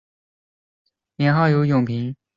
年号有永平。